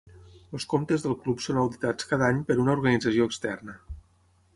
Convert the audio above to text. Els comptes del Club són auditats cada any per una organització externa.